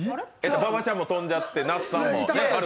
馬場ちゃんも飛んじゃって那須さんも。